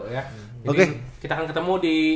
jadi kita akan ketemu di